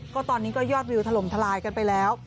ก็ตอนนี้ก็ยอดวิวถล่มทลายกันไปแล้ว